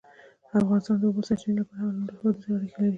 افغانستان د د اوبو سرچینې له پلوه له نورو هېوادونو سره اړیکې لري.